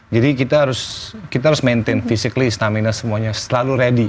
jadi kita harus maintain physically stamina semuanya selalu ready